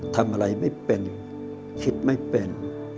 ทำอะไรไม่เป็นคิดไม่เป็น